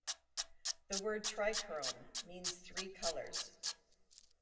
The word "trichrome" means "three colours".